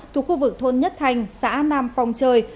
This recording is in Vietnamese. thuộc khu vực thôn nhất thành xã nam phong trời